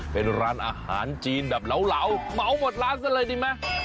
เป็นร้านอาหารจีนแบบเหลาเหมาหมดร้านซะเลยดีไหม